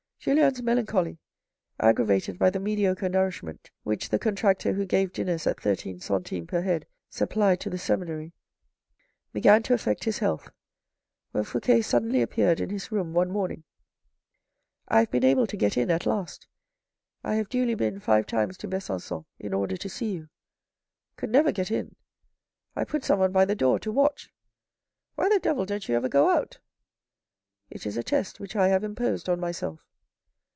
Julien's melancholy, aggravated by the mediocre nourishment which the contractor who gave dinners at thirteen centimes per head supplied to the seminary, began to affect his health, when Fouque suddenly appeared in his room one morning. " I have been able to get in at last. I have duly been five times to Besancon in order to see you. Could never get in. I put someone by the door to watch. Why the devil don't you ever go out ?"" It is a test which I have imposed on myself."